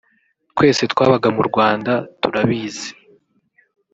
twese twabaga mu Rwanda turabizi